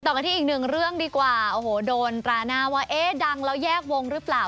กันที่อีกหนึ่งเรื่องดีกว่าโอ้โหโดนตราหน้าว่าเอ๊ะดังแล้วแยกวงหรือเปล่า